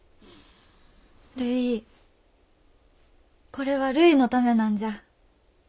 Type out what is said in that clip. これはるいのためなんじゃ。